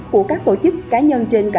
của các tổ chức cá nhân trên cảnh sát